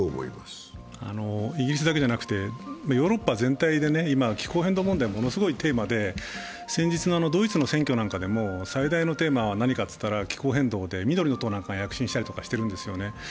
イギリスだけじゃなくてヨーロッパ全体で今、気候変動問題はものすごいテーマで先ほどのドイツの選挙でも最大のテーマは何かといったら気候変動で緑の党なんかが躍進したりしているんですよね。